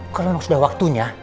kalau memang sudah waktunya